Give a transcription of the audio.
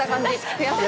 悔しい。